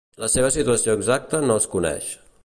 La seva situació exacta no es coneix.